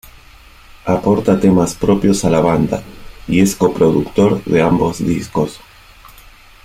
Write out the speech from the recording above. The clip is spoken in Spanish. Aporta temas propios a la banda y es coproductor de ambos discos.